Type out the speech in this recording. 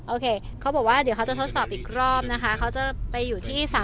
โอเคเขาบอกว่าเดี๋ยวเขาจะทดสอบอีกรอบนะคะเขาจะไปอยู่ที่๓๐